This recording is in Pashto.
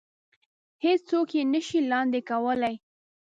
هېڅ څوک يې نه شي لاندې کولی.